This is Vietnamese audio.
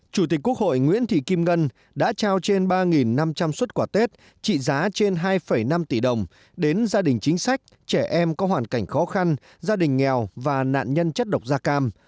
chủ tịch quốc hội nguyễn thị kim ngân đã trao trên ba năm trăm linh xuất quà tết trị giá trên hai năm tỷ đồng đến gia đình chính sách trẻ em có hoàn cảnh khó khăn gia đình nghèo và nạn nhân chất độc da cam